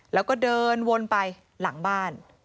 แล้วก็เดินวนไปหลังบ้าน